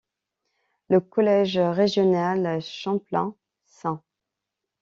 Le Collège régional Champlain St.